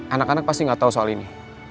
anak anak pasti nggak tahu soal ini